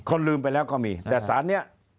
ลืมไปแล้วก็มีแต่สารนี้